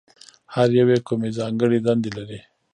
هر یو یې کومې ځانګړې دندې لري؟